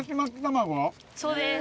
そうです